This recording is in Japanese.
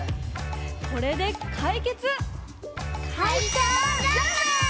これで解決。